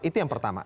itu yang pertama